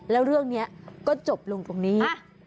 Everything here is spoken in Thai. แล้วเรื่องนี้ก็จบลงตรงนี้